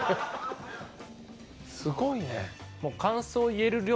すごいね。